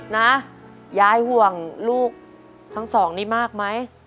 นะยายห่วงลูกทั้งสองนี้มากไหม